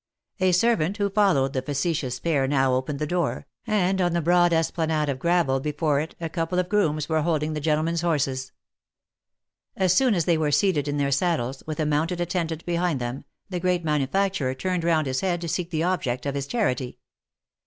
A servant who followed the facetious pair now opened the door, and on the broad esplanade of gravel before it a couple of grooms were holding the gentlemen's horses. As soon as they were seated in their saddles, with a mounted attendant behind them, the great manufacturer turned round his head to seek the object of his charity.